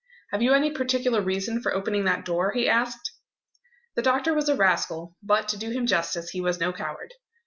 "Have you any particular reason for opening that door?" he asked. The doctor was a rascal; but, to do him justice, he was no coward.